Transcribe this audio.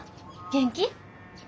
元気？